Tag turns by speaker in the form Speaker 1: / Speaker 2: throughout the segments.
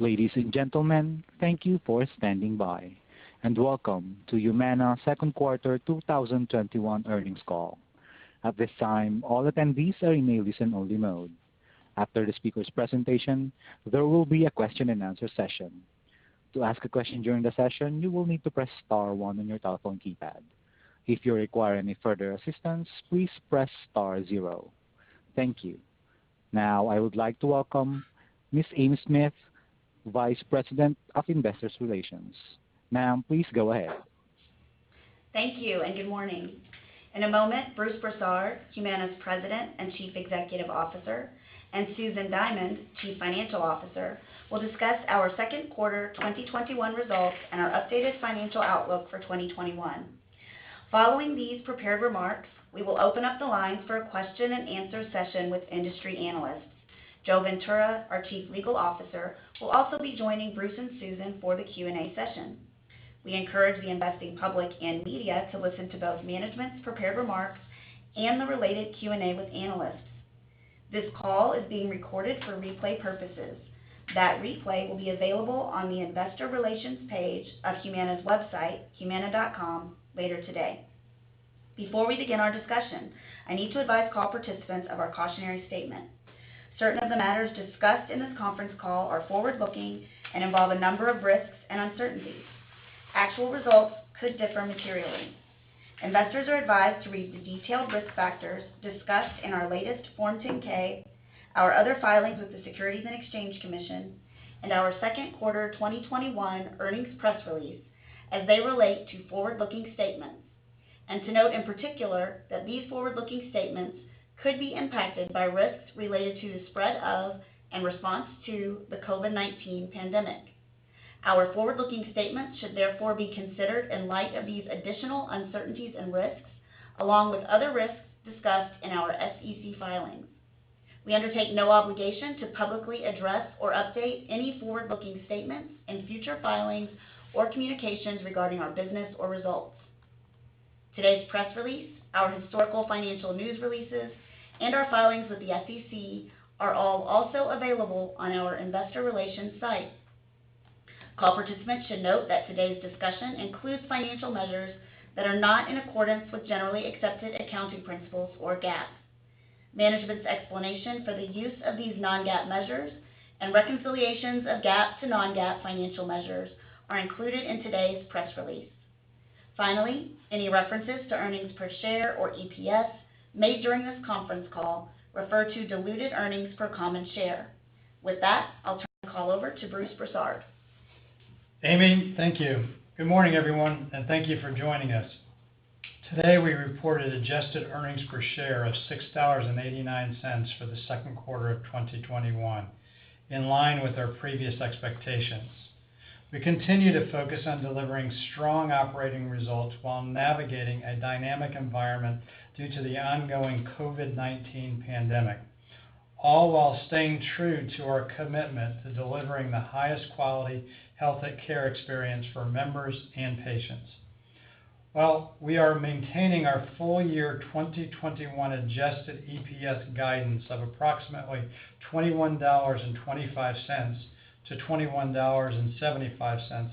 Speaker 1: Ladies and gentlemen, thank you for standing by, and welcome to Humana's second quarter 2021 earnings call. At this time, all attendees are in listen only mode. After the speaker's presentation, there will be a question and answer session. Thank you. Now I would like to welcome Ms. Amy Smith, Vice President of Investor Relations. Ma'am, please go ahead.
Speaker 2: Thank you. Good morning. In a moment, Bruce Broussard, Humana's President and Chief Executive Officer, and Susan Diamond, Chief Financial Officer, will discuss our second quarter 2021 results and our updated financial outlook for 2021. Following these prepared remarks, we will open up the lines for a question and answer session with industry analysts. Joe Ventura, our Chief Legal Officer, will also be joining Bruce and Susan for the Q&A session. We encourage the investing public and media to listen to both management's prepared remarks and the related Q&A with analysts. This call is being recorded for replay purposes. That replay will be available on the investor relations page of Humana's website, humana.com later today. Before we begin our discussion, I need to advise call participants of our cautionary statement. Certain of the matters discussed in this conference call are forward-looking and involve a number of risks and uncertainties. Actual results could differ materially. Investors are advised to read the detailed risk factors discussed in our latest Form 10-K, our other filings with the Securities and Exchange Commission, and our second quarter 2021 earnings press release, as they relate to forward-looking statements. To note in particular that these forward-looking statements could be impacted by risks related to the spread of and response to the COVID-19 pandemic. Our forward-looking statements should therefore be considered in light of these additional uncertainties and risks, along with other risks discussed in our SEC filings. We undertake no obligation to publicly address or update any forward-looking statements in future filings or communications regarding our business or results. Today's press release, our historical financial news releases, and our filings with the SEC are all also available on our investor relations site. Call participants should note that today's discussion includes financial measures that are not in accordance with generally accepted accounting principles, or GAAP. Management's explanation for the use of these non-GAAP measures and reconciliations of GAAP to non-GAAP financial measures are included in today's press release. Finally, any references to earnings per share, or EPS, made during this conference call refer to diluted earnings per common share. With that, I'll turn the call over to Bruce Broussard.
Speaker 3: Amy, thank you. Good morning, everyone, and thank you for joining us. Today we reported adjusted earnings per share of $6.89 for the second quarter of 2021, in line with our previous expectations. We continue to focus on delivering strong operating results while navigating a dynamic environment due to the ongoing COVID-19 pandemic, all while staying true to our commitment to delivering the highest quality healthcare experience for members and patients. While we are maintaining our full year 2021 adjusted EPS guidance of approximately $21.25-$21.75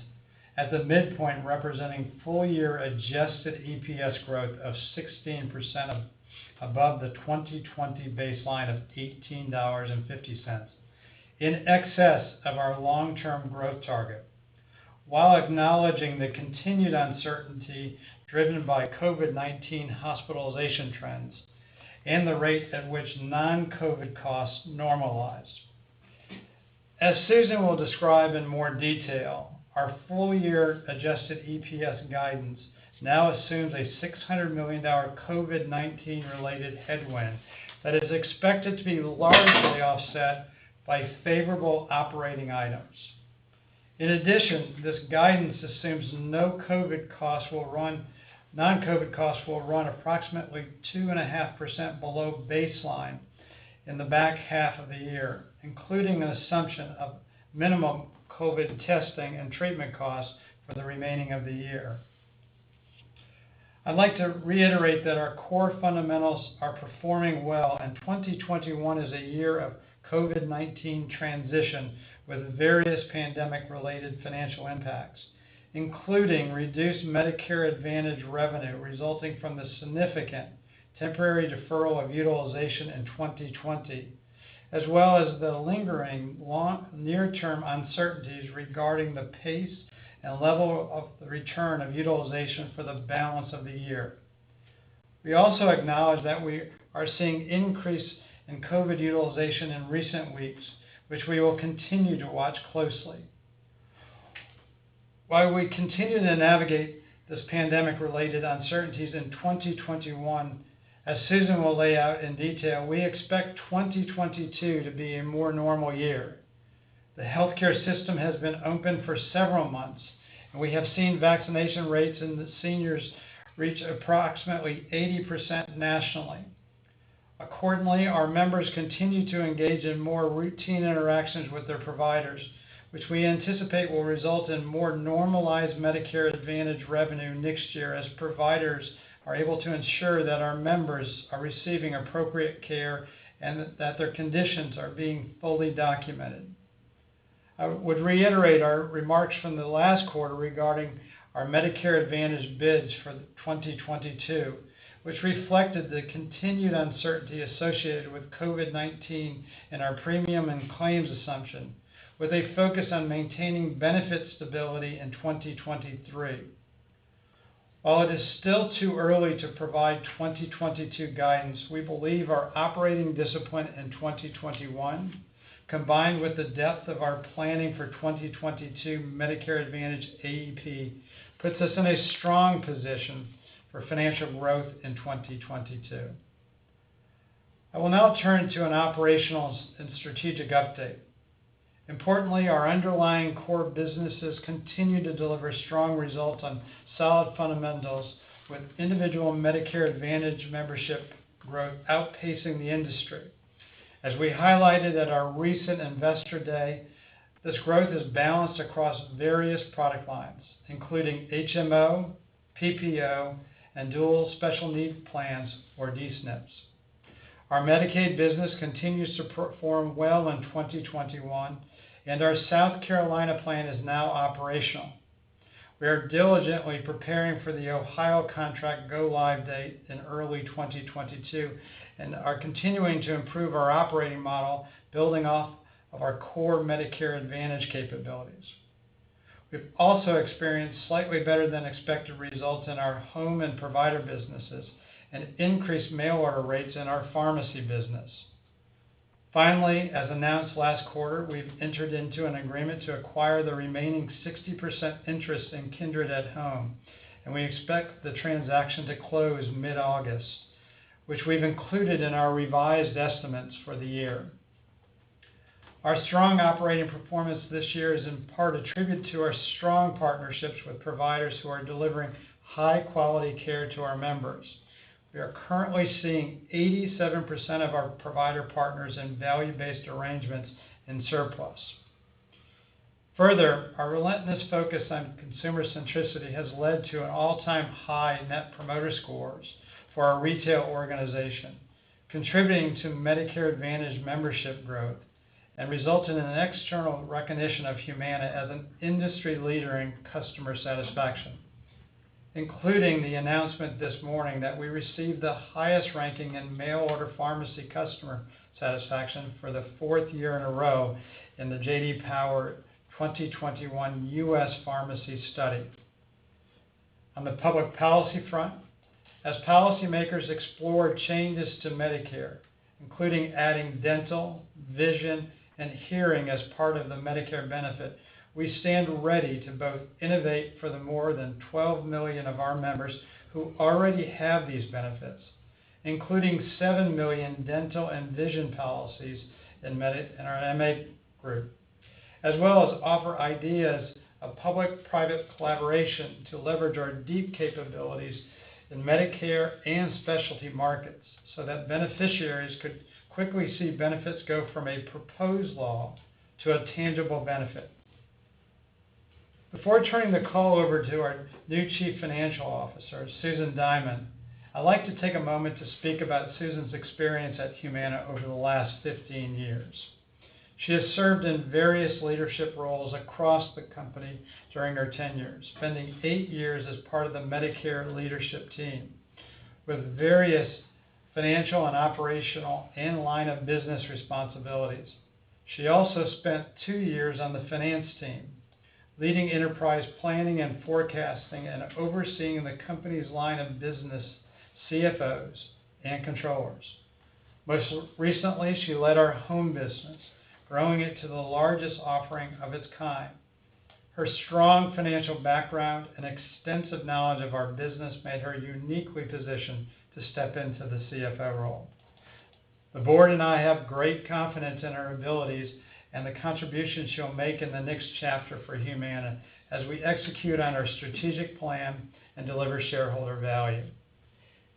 Speaker 3: at the midpoint, representing full year adjusted EPS growth of 16% above the 2020 baseline of $18.50, in excess of our long-term growth target. While acknowledging the continued uncertainty driven by COVID-19 hospitalization trends and the rate at which non-COVID costs normalize. As Susan will describe in more detail, our full year adjusted EPS guidance now assumes a $600 million COVID-19 related headwind that is expected to be largely offset by favorable operating items. In addition, this guidance assumes non-COVID costs will run approximately 2.5% below baseline in the back half of the year, including an assumption of minimum COVID testing and treatment costs for the remaining of the year. I'd like to reiterate that our core fundamentals are performing well, and 2021 is a year of COVID-19 transition with various pandemic related financial impacts, including reduced Medicare Advantage revenue resulting from the significant temporary deferral of utilization in 2020, as well as the lingering near-term uncertainties regarding the pace and level of the return of utilization for the balance of the year. We also acknowledge that we are seeing increase in COVID utilization in recent weeks, which we will continue to watch closely. While we continue to navigate this pandemic related uncertainties in 2021, as Susan will lay out in detail, we expect 2022 to be a more normal year. The healthcare system has been open for several months, and we have seen vaccination rates in the seniors reach approximately 80% nationally. Accordingly, our members continue to engage in more routine interactions with their providers which we anticipate will result in more normalized Medicare Advantage revenue next year as providers are able to ensure that our members are receiving appropriate care and that their conditions are being fully documented. I would reiterate our remarks from the last quarter regarding our Medicare Advantage bids for 2022, which reflected the continued uncertainty associated with COVID-19 in our premium and claims assumption, where they focus on maintaining benefit stability in 2023. While it is still too early to provide 2022 guidance, we believe our operating discipline in 2021, combined with the depth of our planning for 2022 Medicare Advantage AEP, puts us in a strong position for financial growth in 2022. I will now turn to an operational and strategic update. Importantly, our underlying core businesses continue to deliver strong results on solid fundamentals, with individual Medicare Advantage membership growth outpacing the industry. As we highlighted at our recent Investor Day, this growth is balanced across various product lines, including HMO, PPO, and Dual Special Needs Plans or DSNPs. Our Medicaid business continues to perform well in 2021, and our South Carolina plan is now operational. We are diligently preparing for the Ohio contract go-live date in early 2022 and are continuing to improve our operating model, building off of our core Medicare Advantage capabilities. We've also experienced slightly better than expected results in our home and provider businesses and increased mail order rates in our pharmacy business. Finally, as announced last quarter, we've entered into an agreement to acquire the remaining 60% interest in Kindred at Home, and we expect the transaction to close mid-August, which we've included in our revised estimates for the year. Our strong operating performance this year is in part a tribute to our strong partnerships with providers who are delivering high-quality care to our members. We are currently seeing 87% of our provider partners in value-based arrangements in surplus. Further, our relentless focus on consumer centricity has led to an all-time high Net Promoter Scores for our retail organization, contributing to Medicare Advantage membership growth and resulting in an external recognition of Humana as an industry leader in customer satisfaction, including the announcement this morning that we received the highest ranking in mail order pharmacy customer satisfaction for the fourth year in a row in the J.D. Power 2021 U.S. Pharmacy Study. On the public policy front, as policymakers explore changes to Medicare, including adding dental, vision, and hearing as part of the Medicare benefit, we stand ready to both innovate for the more than 12 million of our members who already have these benefits, including 7 million dental and vision policies in our MA group, as well as offer ideas of public-private collaboration to leverage our deep capabilities in Medicare and specialty markets so that beneficiaries could quickly see benefits go from a proposed law to a tangible benefit. Before turning the call over to our new Chief Financial Officer, Susan Diamond, I'd like to take a moment to speak about Susan's experience at Humana over the last 15 years. She has served in various leadership roles across the company during her tenure, spending eight years as part of the Medicare leadership team with various financial and operational and line of business responsibilities. She also spent two years on the finance team, leading enterprise planning and forecasting and overseeing the company's line of business CFOs and controllers. Most recently, she led our home business, growing it to the largest offering of its kind. Her strong financial background and extensive knowledge of our business made her uniquely positioned to step into the CFO role. The board and I have great confidence in her abilities and the contributions she'll make in the next chapter for Humana as we execute on our strategic plan and deliver shareholder value.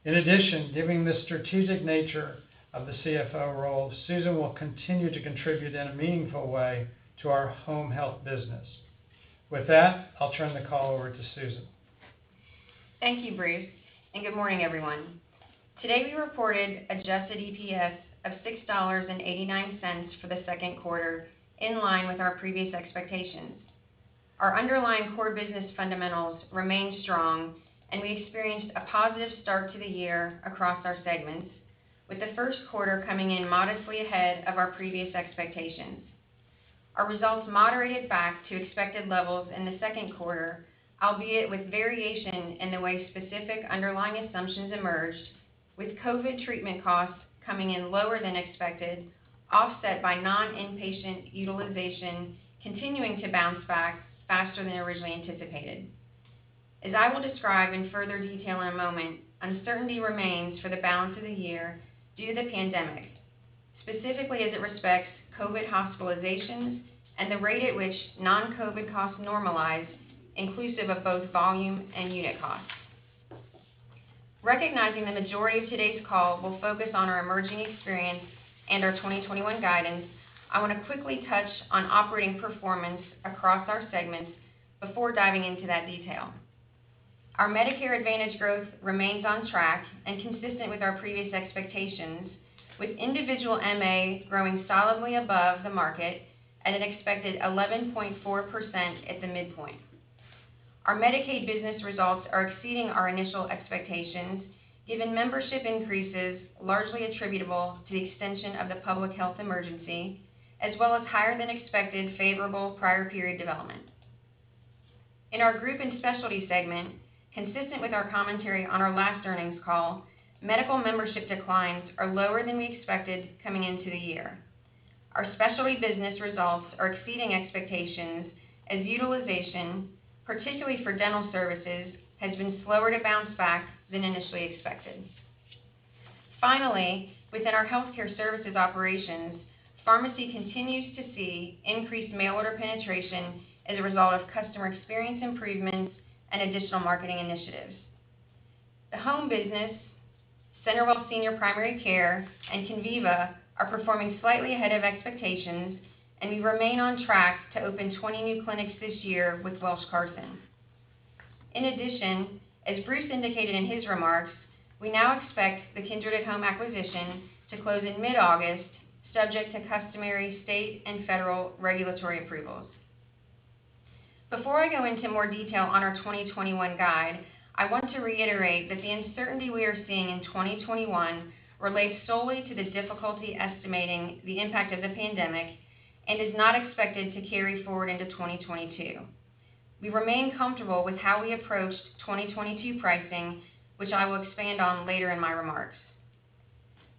Speaker 3: Given the strategic nature of the CFO role, Susan will continue to contribute in a meaningful way to our home health business. With that, I'll turn the call over to Susan.
Speaker 4: Thank you, Bruce, and good morning, everyone. Today, we reported adjusted EPS of $6.89 for the second quarter in line with our previous expectations. Our underlying core business fundamentals remain strong, and we experienced a positive start to the year across our segments, with the first quarter coming in modestly ahead of our previous expectations. Our results moderated back to expected levels in the second quarter, albeit with variation in the way specific underlying assumptions emerged, with COVID treatment costs coming in lower than expected, offset by non-inpatient utilization continuing to bounce back faster than originally anticipated. As I will describe in further detail in a moment, uncertainty remains for the balance of the year due to the pandemic, specifically as it respects COVID hospitalizations and the rate at which non-COVID costs normalize inclusive of both volume and unit costs. Recognizing the majority of today's call will focus on our emerging experience and our 2021 guidance, I want to quickly touch on operating performance across our segments before diving into that detail. Our Medicare Advantage growth remains on track and consistent with our previous expectations, with individual MA growing solidly above the market at an expected 11.4% at the midpoint. Our Medicaid business results are exceeding our initial expectations, given membership increases largely attributable to the extension of the public health emergency, as well as higher than expected favorable prior period development. In our group and specialty segment, consistent with our commentary on our last earnings call, medical membership declines are lower than we expected coming into the year. Our specialty business results are exceeding expectations as utilization, particularly for dental services, has been slower to bounce back than initially expected. Finally, within our healthcare services operations, pharmacy continues to see increased mail order penetration as a result of customer experience improvements and additional marketing initiatives. The home business, CenterWell Senior Primary Care, and Conviva are performing slightly ahead of expectations, and we remain on track to open 20 new clinics this year with Welsh Carson. In addition, as Bruce indicated in his remarks, we now expect the Kindred at Home acquisition to close in mid-August, subject to customary state and federal regulatory approvals. Before I go into more detail on our 2021 guide, I want to reiterate that the uncertainty we are seeing in 2021 relates solely to the difficulty estimating the impact of the pandemic and is not expected to carry forward into 2022. We remain comfortable with how we approached 2022 pricing, which I will expand on later in my remarks.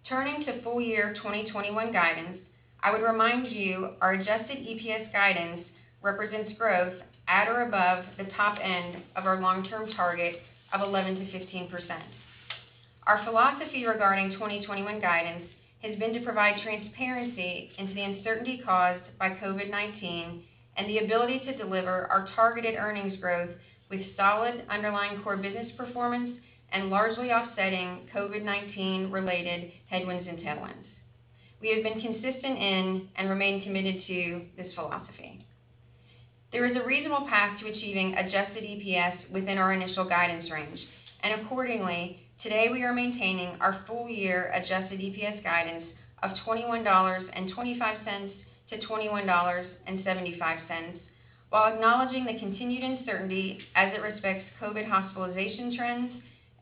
Speaker 4: Turning to full year 2021 guidance, I would remind you our adjusted EPS guidance represents growth at or above the top end of our long-term target of 11%-15%. Our philosophy regarding 2021 guidance has been to provide transparency into the uncertainty caused by COVID-19 and the ability to deliver our targeted earnings growth with solid underlying core business performance and largely offsetting COVID-19 related headwinds and tailwinds. We have been consistent in and remain committed to this philosophy. There is a reasonable path to achieving adjusted EPS within our initial guidance range, and accordingly, today we are maintaining our full year adjusted EPS guidance of $21.25-$21.75, while acknowledging the continued uncertainty as it respects COVID hospitalization trends,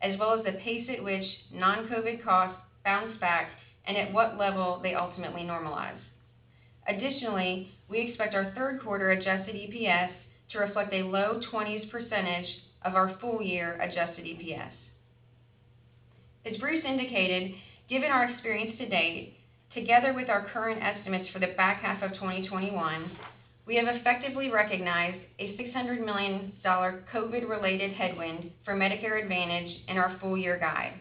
Speaker 4: as well as the pace at which non-COVID costs bounce back and at what level they ultimately normalize. Additionally, we expect our third quarter adjusted EPS to reflect a low 20s% of our full year adjusted EPS. As Bruce indicated, given our experience to date, together with our current estimates for the back half of 2021, we have effectively recognized a $600 million COVID-related headwind for Medicare Advantage in our full year guide,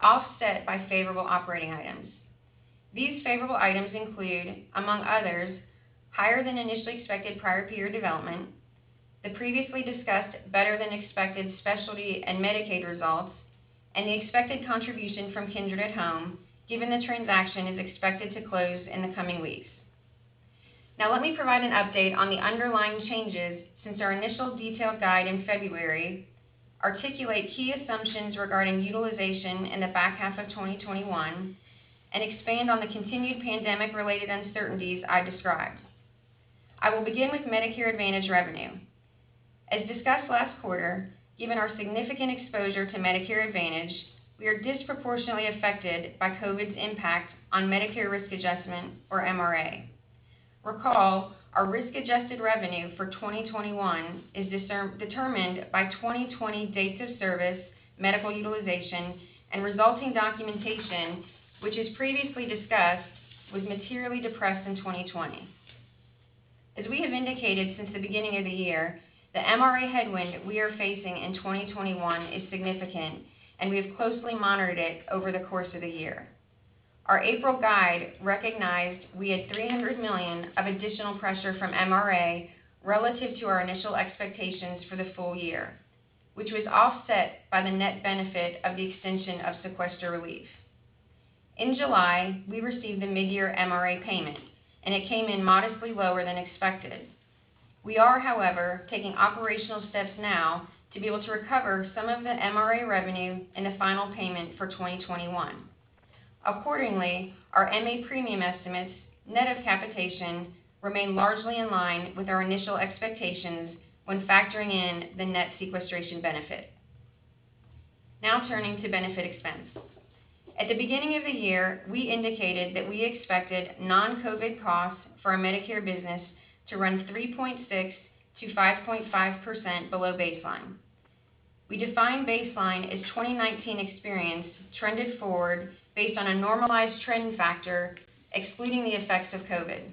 Speaker 4: offset by favorable operating items. These favorable items include, among others, higher than initially expected prior period development, the previously discussed better than expected specialty and Medicaid results, and the expected contribution from Kindred at Home, given the transaction is expected to close in the coming weeks. Let me provide an update on the underlying changes since our initial detailed guide in February, articulate key assumptions regarding utilization in the back half of 2021, and expand on the continued pandemic-related uncertainties I described. I will begin with Medicare Advantage revenue. As discussed last quarter, given our significant exposure to Medicare Advantage, we are disproportionately affected by COVID's impact on Medicare Risk Adjustment, or MRA. Recall, our risk-adjusted revenue for 2021 is determined by 2020 dates of service, medical utilization, and resulting documentation, which, as previously discussed, was materially depressed in 2020. As we have indicated since the beginning of the year, the MRA headwind we are facing in 2021 is significant, and we have closely monitored it over the course of the year. Our April guide recognized we had $300 million of additional pressure from MRA relative to our initial expectations for the full year, which was offset by the net benefit of the extension of sequester relief. In July, we received the midyear MRA payment, and it came in modestly lower than expected. We are, however, taking operational steps now to be able to recover some of the MRA revenue in the final payment for 2021. Accordingly, our MA premium estimates, net of capitation, remain largely in line with our initial expectations when factoring in the net sequestration benefit. Now turning to benefit expense. At the beginning of the year, we indicated that we expected non-COVID-19 costs for our Medicare business to run 3.6%-5.5% below baseline. We define baseline as 2019 experience trended forward based on a normalized trend factor, excluding the effects of COVID-19.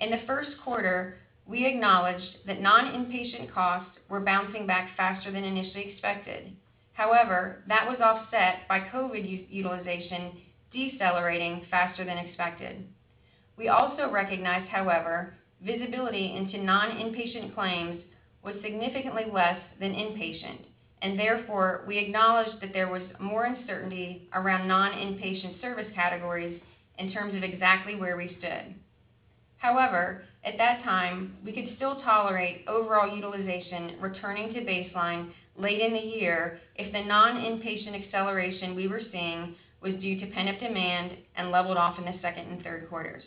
Speaker 4: In the first quarter, we acknowledged that non-inpatient costs were bouncing back faster than initially expected. That was offset by COVID-19 utilization decelerating faster than expected. We also recognized, however, visibility into non-inpatient claims was significantly less than inpatient, therefore, we acknowledged that there was more uncertainty around non-inpatient service categories in terms of exactly where we stood. At that time, we could still tolerate overall utilization returning to baseline late in the year if the non-inpatient acceleration we were seeing was due to pent-up demand and leveled off in the second and third quarters.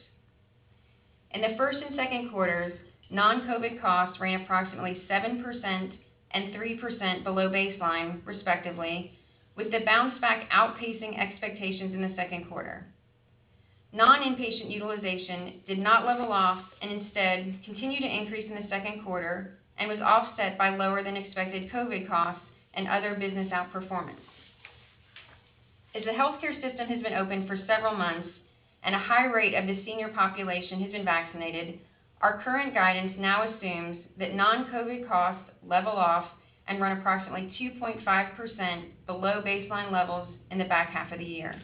Speaker 4: In the first and second quarters, non-COVID costs ran approximately 7% and 3% below baseline, respectively, with the bounce back outpacing expectations in the second quarter. Non-inpatient utilization did not level off, and instead, continued to increase in the second quarter and was offset by lower than expected COVID costs and other business outperformance. As the healthcare system has been open for several months and a high rate of the senior population has been vaccinated, our current guidance now assumes that non-COVID costs level off and run approximately 2.5% below baseline levels in the back half of the year.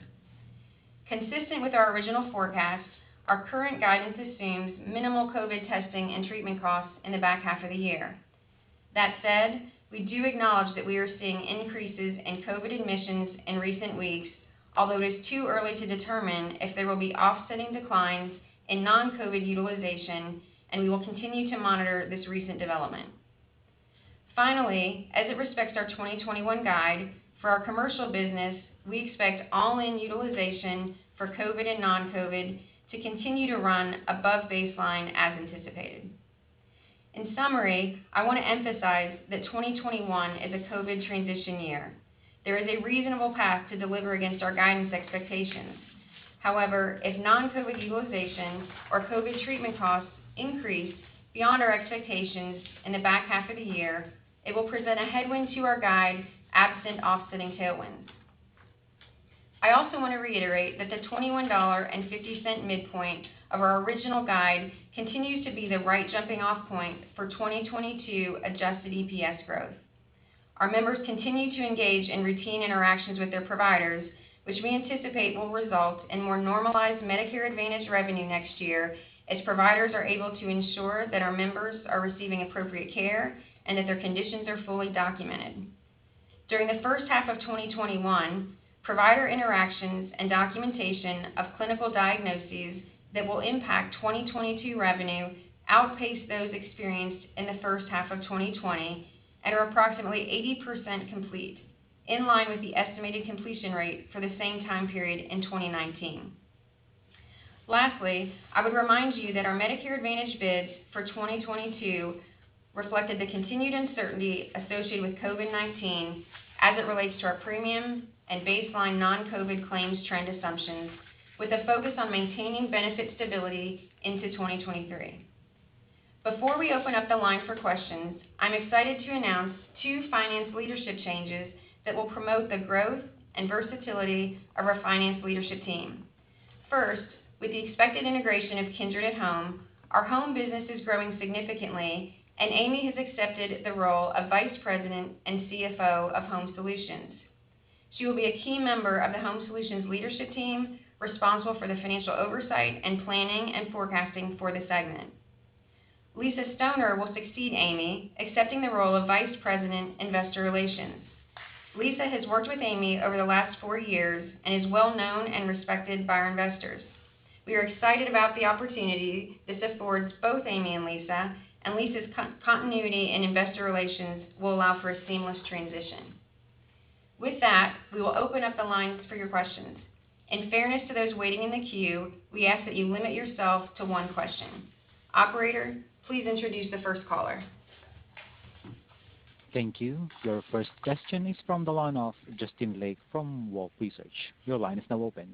Speaker 4: Consistent with our original forecast, our current guidance assumes minimal COVID testing and treatment costs in the back half of the year. That said, we do acknowledge that we are seeing increases in COVID admissions in recent weeks, although it is too early to determine if there will be offsetting declines in non-COVID utilization, and we will continue to monitor this recent development. As it respects our 2021 guide, for our commercial business, we expect all-in utilization for COVID and non-COVID to continue to run above baseline as anticipated. In summary, I want to emphasize that 2021 is a COVID transition year. There is a reasonable path to deliver against our guidance expectations. However, if non-COVID utilization or COVID treatment costs increase beyond our expectations in the back half of the year, it will present a headwind to our guide absent offsetting tailwinds. I also want to reiterate that the $21.50 midpoint of our original guide continues to be the right jumping-off point for 2022 adjusted EPS growth. Our members continue to engage in routine interactions with their providers, which we anticipate will result in more normalized Medicare Advantage revenue next year as providers are able to ensure that our members are receiving appropriate care and that their conditions are fully documented. During the first half of 2021, provider interactions and documentation of clinical diagnoses that will impact 2022 revenue outpace those experienced in the first half of 2020 and are approximately 80% complete, in line with the estimated completion rate for the same time period in 2019. I would remind you that our Medicare Advantage bids for 2022 reflected the continued uncertainty associated with COVID-19 as it relates to our premium and baseline non-COVID claims trend assumptions, with a focus on maintaining benefit stability into 2023. Before we open up the line for questions, I'm excited to announce two finance leadership changes that will promote the growth and versatility of our finance leadership team. First, with the expected integration of Kindred at Home, our home business is growing significantly, and Amy has accepted the role of Vice President and CFO of Home Solutions. She will be a key member of the Home Solutions leadership team, responsible for the financial oversight and planning and forecasting for the segment. Lisa Stoner will succeed Amy, accepting the role of Vice President, Investor Relations. Lisa has worked with Amy over the last four years and is well known and respected by our investors. We are excited about the opportunity this affords both Amy and Lisa, and Lisa's continuity in Investor Relations will allow for a seamless transition. With that, we will open up the lines for your questions. In fairness to those waiting in the queue, we ask that you limit yourself to one question. Operator, please introduce the first caller.
Speaker 1: Thank you. Your first question is from the line of Justin Lake from Wolfe Research. Your line is now open.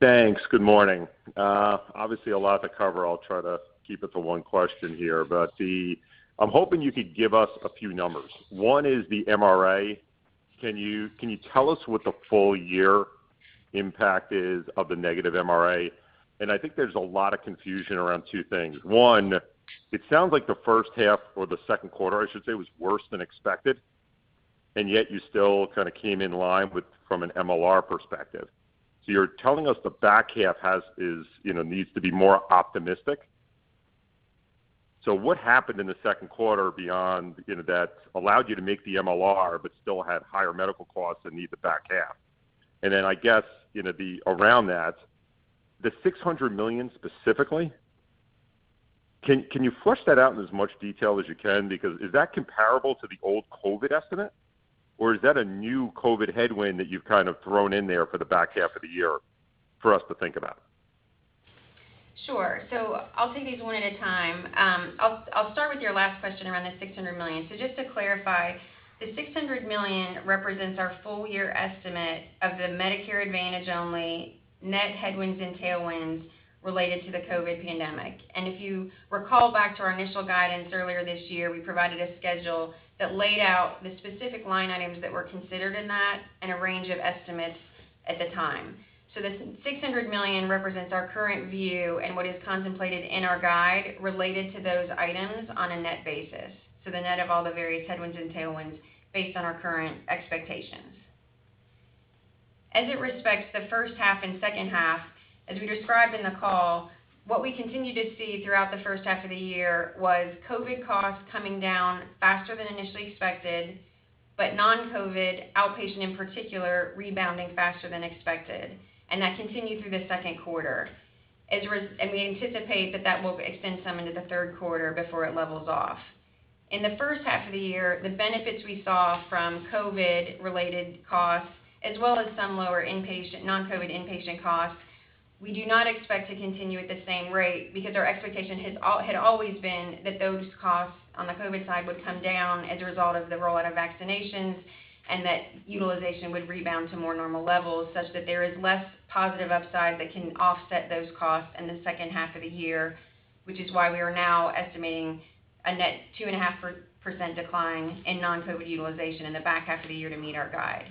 Speaker 5: Thanks. Good morning. Obviously, a lot to cover. I'll try to keep it to one question here. I'm hoping you could give us a few numbers. One is the MRA. Can you tell us what the full-year impact is of the negative MRA? I think there's a lot of confusion around two things. One, it sounds like the first half or the second quarter, I should say, was worse than expected, yet you still kind of came in line from an MLR perspective. You're telling us the back half needs to be more optimistic? What happened in the second quarter that allowed you to make the MLR but still had higher medical costs than the back half? I guess, around that, the $600 million specifically, can you flesh that out in as much detail as you can? Is that comparable to the old COVID estimate, or is that a new COVID headwind that you've kind of thrown in there for the back half of the year for us to think about?
Speaker 4: Sure. I'll take these one at a time. I'll start with your last question around the $600 million. Just to clarify, the $600 million represents our full year estimate of the Medicare Advantage-only net headwinds and tailwinds related to the COVID-19 pandemic. If you recall back to our initial guidance earlier this year, we provided a schedule that laid out the specific line items that were considered in that and a range of estimates at the time. The $600 million represents our current view and what is contemplated in our guide related to those items on a net basis. The net of all the various headwinds and tailwinds based on our current expectations. As it respects the first half and second half, as we described in the call, what we continued to see throughout the first half of the year was COVID costs coming down faster than initially expected, but non-COVID, outpatient in particular, rebounding faster than expected. That continued through the second quarter. We anticipate that that will extend some into the third quarter before it levels off. In the first half of the year, the benefits we saw from COVID related costs, as well as some lower non-COVID inpatient costs, we do not expect to continue at the same rate because our expectation had always been that those costs on the COVID side would come down as a result of the rollout of vaccinations, and that utilization would rebound to more normal levels, such that there is less positive upside that can offset those costs in the second half of the year, which is why we are now estimating a net 2.5% decline in non-COVID utilization in the back half of the year to meet our guide.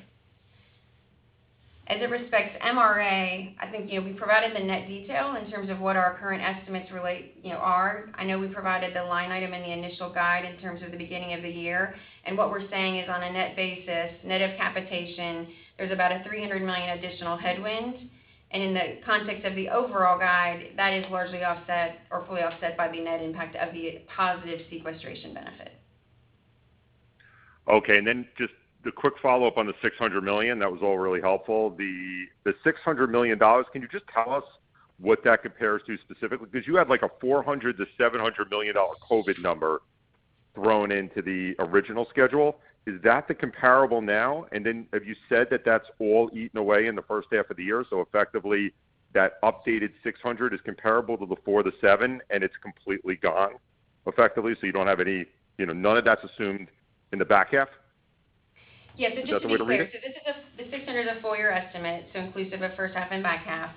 Speaker 4: As it respects MRA, I think we provided the net detail in terms of what our current estimates relate to. I know we provided the line item in the initial guide in terms of the beginning of the year. What we're saying is on a net basis, net of capitation, there's about a $300 million additional headwind. In the context of the overall guide, that is largely offset or fully offset by the net impact of the positive sequestration benefit.
Speaker 5: Okay, just the quick follow-up on the $600 million. That was all really helpful. The $600 million, can you just tell us what that compares to specifically? You had like a $400 million-$700 million COVID-19 number thrown into the original schedule. Is that the comparable now? Have you said that that's all eaten away in the first half of the year, so effectively that updated $600 million is comparable to the $400 million-$700 million, and it's completely gone effectively, so none of that's assumed in the back half?
Speaker 4: Yes.
Speaker 5: Is that the right way to read it?
Speaker 4: This is the $600 is a full year estimate, inclusive of first half and back half.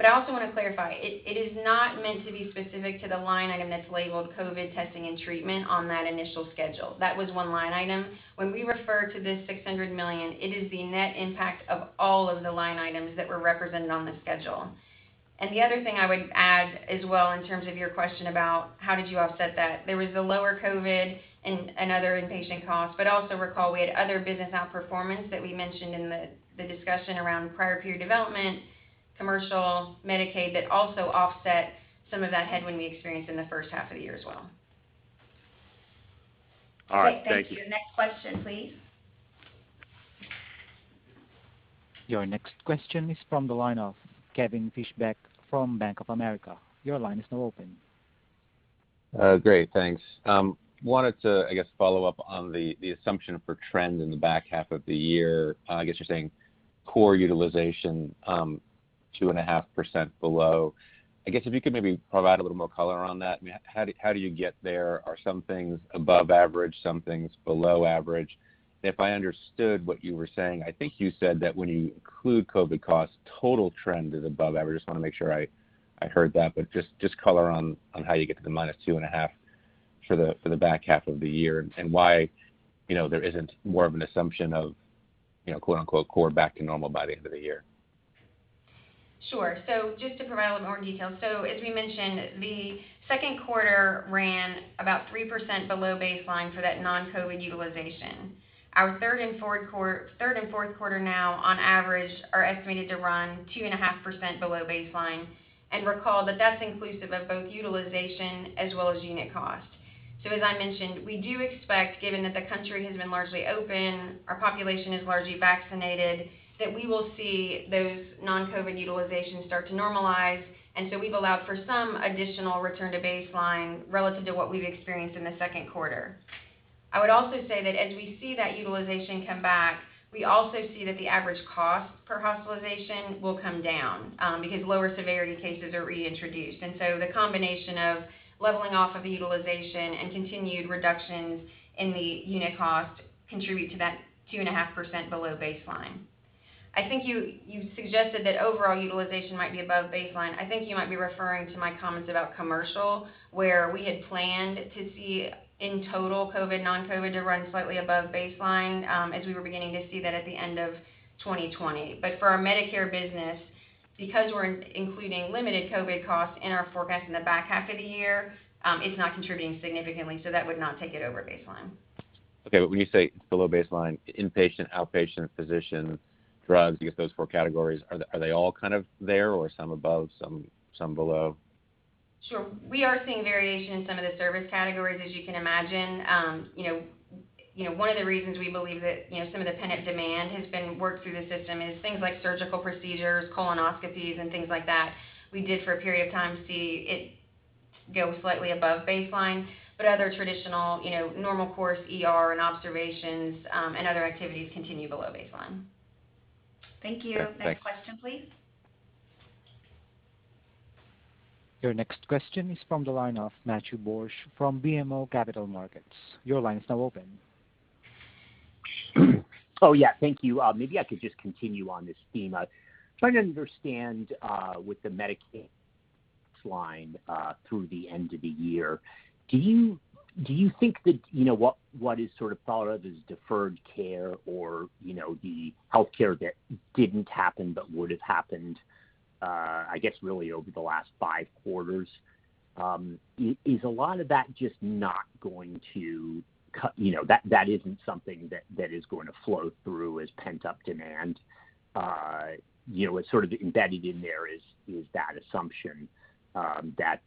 Speaker 4: I also want to clarify, it is not meant to be specific to the line item that's labeled COVID testing and treatment on that initial schedule. That was one line item. When we refer to this $600 million, it is the net impact of all of the line items that were represented on the schedule. The other thing I would add as well in terms of your question about how did you offset that, there was the lower COVID and other inpatient costs, but also recall we had other business outperformance that we mentioned in the discussion around prior period development, commercial, Medicaid, that also offset some of that headwind we experienced in the first half of the year as well.
Speaker 5: All right. Thank you.
Speaker 4: Okay. Thank you. Next question, please.
Speaker 1: Your next question is from the line of Kevin Fischbeck from Bank of America. Your line is now open.
Speaker 6: Great, thanks. Wanted to follow up on the assumption for trend in the back half of the year. You're saying core utilization 2.5% below. If you could maybe provide a little more color on that. How do you get there? Are some things above average, some things below average? If I understood what you were saying, I think you said that when you include COVID costs, total trend is above average. Just want to make sure I heard that, but just color on how you get to the minus 2.5 for the back half of the year, and why there isn't more of an assumption of, 'core back to normal by the end of the year.'
Speaker 4: Sure. Just to provide a little more detail. As we mentioned, the second quarter ran about 3% below baseline for that non-COVID utilization. Our third and fourth quarter now, on average, are estimated to run 2.5% below baseline. Recall that that's inclusive of both utilization as well as unit cost. As I mentioned, we do expect, given that the country has been largely open, our population is largely vaccinated, that we will see those non-COVID utilizations start to normalize. We've allowed for some additional return to baseline relative to what we've experienced in the second quarter. I would also say that as we see that utilization come back, we also see that the average cost per hospitalization will come down because lower severity cases are reintroduced. The combination of leveling off of utilization and continued reductions in the unit cost contribute to that 2.5% below baseline. I think you suggested that overall utilization might be above baseline. I think you might be referring to my comments about commercial, where we had planned to see in total COVID, non-COVID to run slightly above baseline, as we were beginning to see that at the end of 2020. For our Medicare business, because we're including limited COVID costs in our forecast in the back half of the year, it's not contributing significantly. That would not take it over baseline.
Speaker 6: Okay, when you say below baseline, inpatient, outpatient, physician, drugs, I guess those four categories, are they all kind of there or some above, some below?
Speaker 4: Sure. We are seeing variation in some of the service categories, as you can imagine. One of the reasons we believe that some of the pent-up demand has been worked through the system is things like surgical procedures, colonoscopies, and things like that. We did, for a period of time, see it go slightly above baseline, but other traditional normal course ER and observations, and other activities continue below baseline. Thank you.
Speaker 6: Okay, thanks.
Speaker 4: Next question, please.
Speaker 1: Your next question is from the line of Matthew Borsch from BMO Capital Markets. Your line is now open.
Speaker 7: Oh, yeah. Thank you. Maybe I could just continue on this theme. Trying to understand with the Medicaid line through the end of the year, do you think that what is sort of thought of as deferred care or the healthcare that didn't happen but would have happened, I guess really over the last five quarters, is a lot of that just not going to cut, that isn't something that is going to flow through as pent-up demand? What's sort of embedded in there is that assumption, and that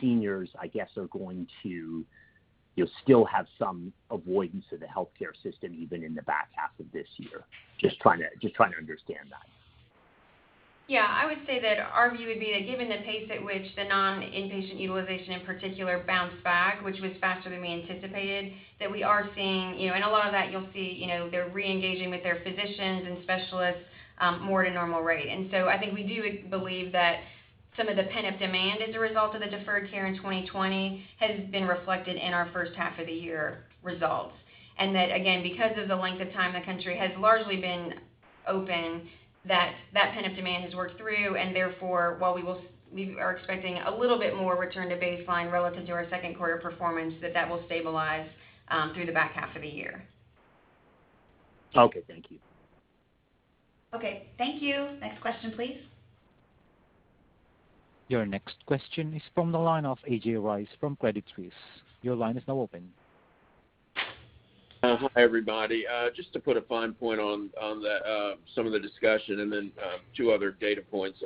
Speaker 7: seniors, I guess, are going to still have some avoidance of the healthcare system even in the back half of this year. Just trying to understand that.
Speaker 4: Yeah, I would say that our view would be that given the pace at which the non-inpatient utilization in particular bounced back, which was faster than we anticipated, that we are seeing, and a lot of that you'll see, they're re-engaging with their physicians and specialists more at a normal rate. I think we do believe that some of the pent-up demand as a result of the deferred care in 2020 has been reflected in our first half of the year results. That, again, because of the length of time the country has largely been open, that that pent-up demand has worked through, and therefore, while we are expecting a little bit more return to baseline relative to our second quarter performance, that that will stabilize through the back half of the year.
Speaker 7: Okay. Thank you.
Speaker 4: Okay. Thank you. Next question, please.
Speaker 1: Your next question is from the line of A.J. Rice from Credit Suisse. Your line is now open.
Speaker 8: Hi, everybody. Just to put a fine point on some of the discussion and then two other data points.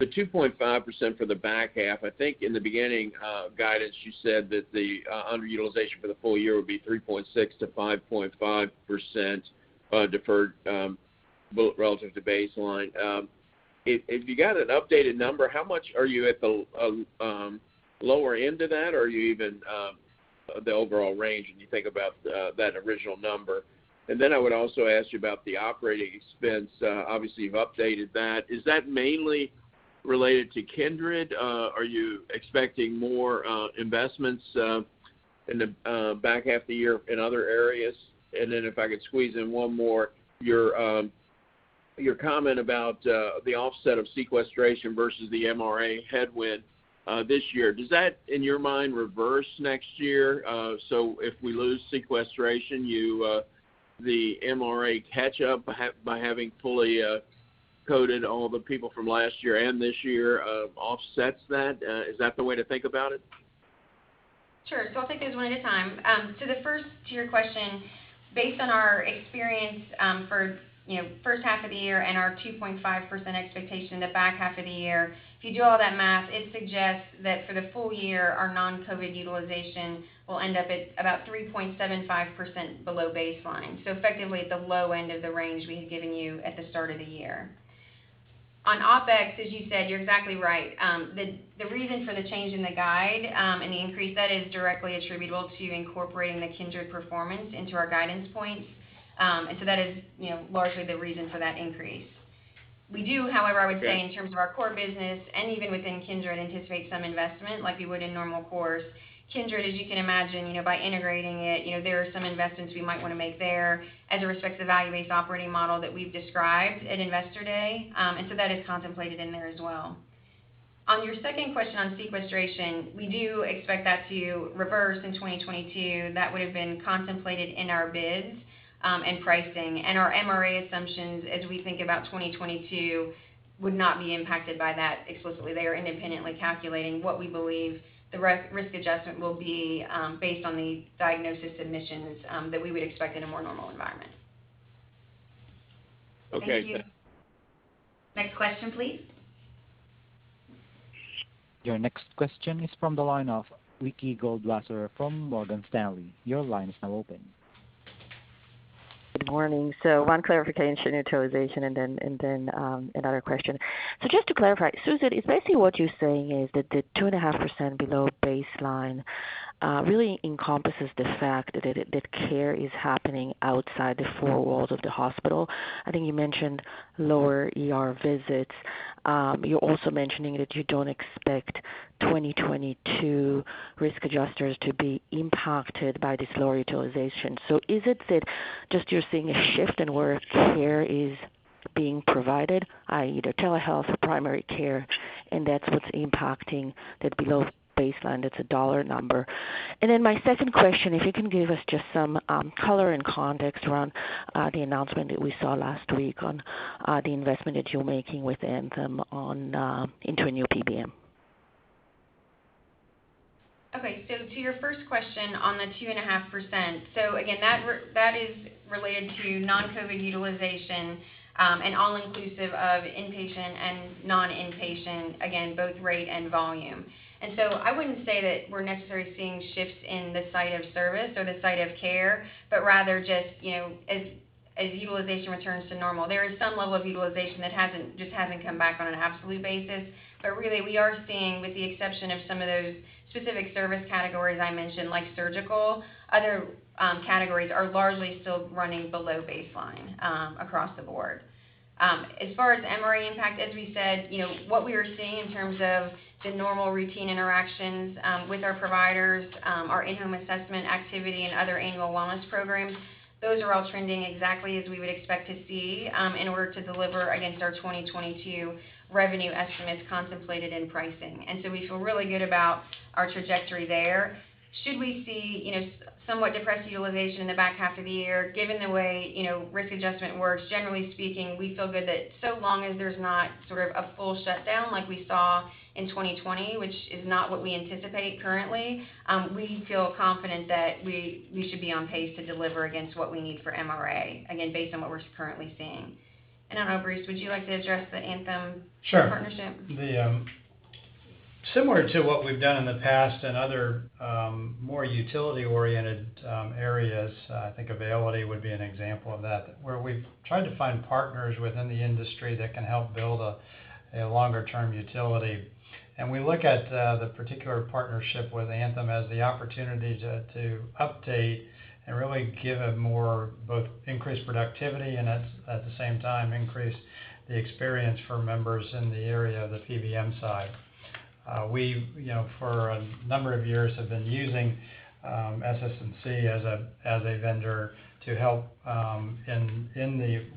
Speaker 8: The 2.5% for the back half, I think in the beginning guidance, you said that the underutilization for the full year would be 3.6%-5.5% deferred relative to baseline. If you got an updated number, how much are you at the lower end of that? Are you even the overall range when you think about that original number? I would also ask you about the OPEX. Obviously, you've updated that. Is that mainly related to Kindred? Are you expecting more investments in the back half of the year in other areas? If I could squeeze in one more, your comment about the offset of sequestration versus the MRA headwind this year, does that, in your mind, reverse next year? If we lose sequestration, the MRA catch-up by having fully coded all the people from last year and this year offsets that? Is that the way to think about it?
Speaker 4: Sure. I'll take those one at a time. The first to your question, based on our experience for first half of the year and our 2.5% expectation the back half of the year, if you do all that math, it suggests that for the full year, our non-COVID utilization will end up at about 3.75% below baseline. Effectively, at the low end of the range we had given you at the start of the year. On OpEx, as you said, you're exactly right. The reason for the change in the guide and the increase, that is directly attributable to incorporating the Kindred performance into our guidance points. That is largely the reason for that increase. We do, however, I would say in terms of our core business and even within Kindred, anticipate some investment like we would in normal course. Kindred, as you can imagine, by integrating it, there are some investments we might want to make there as it respects the value-based operating model that we've described at Investor Day. That is contemplated in there as well. On your second question on sequestration, we do expect that to reverse in 2022. That would have been contemplated in our bids and pricing. Our MRA assumptions, as we think about 2022, would not be impacted by that explicitly. They are independently calculating what we believe the risk adjustment will be based on the diagnosis admissions that we would expect in a more normal environment.
Speaker 8: Okay.
Speaker 4: Thank you. Next question, please.
Speaker 1: Your next question is from the line of Ricky Goldwasser from Morgan Stanley. Your line is now open.
Speaker 9: Good morning. One clarification utilization and then another question. Just to clarify, Susan, is basically what you're saying is that the 2.5% below baseline really encompasses the fact that care is happening outside the four walls of the hospital. I think you mentioned lower ER visits. You're also mentioning that you don't expect 2022 risk adjusters to be impacted by this lower utilization. Is it that just you're seeing a shift in where care is being provided, i.e., telehealth, primary care, and that's what's impacting that below baseline? That's a dollar number. My second question, if you can give us just some color and context around the announcement that we saw last week on the investment that you're making with Anthem into a new PBM.
Speaker 4: Okay, to your first question on the 2.5%. Again, that is related to non-COVID utilization and all inclusive of inpatient and non-inpatient, again, both rate and volume. I wouldn't say that we're necessarily seeing shifts in the site of service or the site of care, but rather just as utilization returns to normal. There is some level of utilization that just hasn't come back on an absolute basis. Really, we are seeing, with the exception of some of those specific service categories I mentioned, like surgical, other categories are largely still running below baseline across the board. As far as MRA impact, as we said, what we are seeing in terms of the normal routine interactions with our providers, our in-home assessment activity, and other annual wellness programs, those are all trending exactly as we would expect to see in order to deliver against our 2022 revenue estimates contemplated in pricing. We feel really good about our trajectory there. Should we see somewhat depressed utilization in the back half of the year, given the way risk adjustment works, generally speaking, we feel good that so long as there's not sort of a full shutdown like we saw in 2020, which is not what we anticipate currently, we feel confident that we should be on pace to deliver against what we need for MRA, again, based on what we're currently seeing. I don't know, Bruce, would you like to address the Anthem partnership?
Speaker 3: Sure. Similar to what we've done in the past in other more utility-oriented areas, I think Availity would be an example of that, where we've tried to find partners within the industry that can help build a longer-term utility. We look at the particular partnership with Anthem as the opportunity to update and really give it more both increased productivity, and at the same time, increase the experience for members in the area of the PBM side. We, for a number of years, have been using SS&C as a vendor to help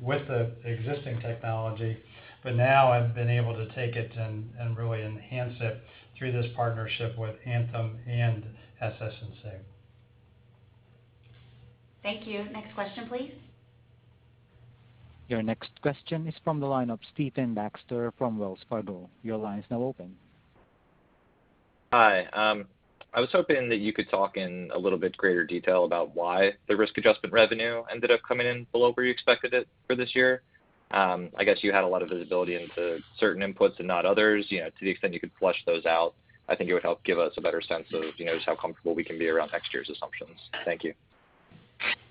Speaker 3: with the existing technology. Now I've been able to take it and really enhance it through this partnership with Anthem and SS&C.
Speaker 4: Thank you. Next question, please.
Speaker 1: Your next question is from the line of Stephen Baxter from Wells Fargo. Your line is now open.
Speaker 10: Hi. I was hoping that you could talk in a little bit greater detail about why the risk adjustment revenue ended up coming in below where you expected it for this year. I guess you had a lot of visibility into certain inputs and not others. To the extent you could flush those out, I think it would help give us a better sense of just how comfortable we can be around next year's assumptions. Thank you.